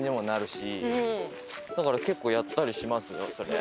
だから結構やったりしますよそれ。